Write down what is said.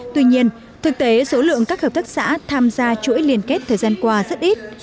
tuy nhiên thực tế số lượng các hợp tác xã tham gia chuỗi liên kết thời gian qua rất ít